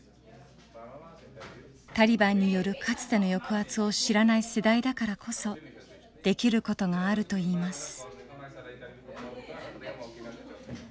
タリバンによるかつての抑圧を知らない世代だからこそできることがあるといいます。